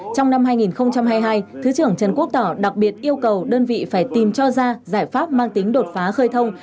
trong năm hai nghìn hai mươi hai thứ trưởng trần quốc tỏ đặc biệt yêu cầu đơn vị phải tìm cho ra giải pháp mang tính đột phá khơi thông